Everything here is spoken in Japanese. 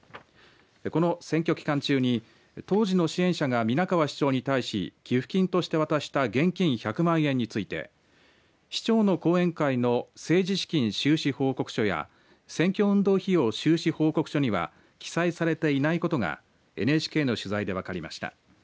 この選挙期間中に当時の支援者が皆川市長に対し寄付金として渡した現金１００万円について市長の後援会の政治資金収支報告書や選挙運動費用収支報告書には記載されていないことがＮＨＫの取材で分かりました。